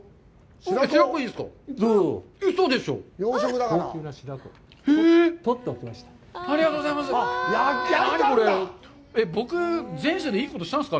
白子いいですか？